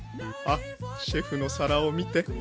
あっシェフの皿を見て。